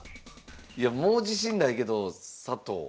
いやもう自信ないけど佐藤。